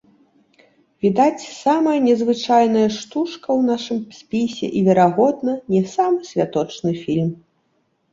Відаць, самая незвычайная стужка ў нашым спісе і, верагодна, не самы святочны фільм.